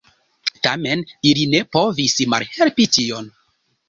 Tamen ili ne povis malhelpi tion.